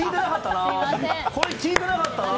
これ聞いてなかったな。